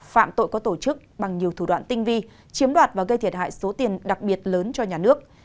phạm tội có tổ chức bằng nhiều thủ đoạn tinh vi chiếm đoạt và gây thiệt hại số tiền đặc biệt lớn cho nhà nước